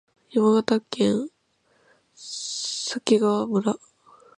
山形県鮭川村